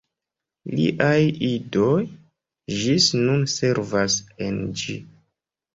Liaj idoj ĝis nun servas en ĝi.